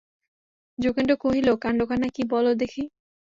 যোগেন্দ্র কহিল, কাণ্ডখানা কী বলো দেখি।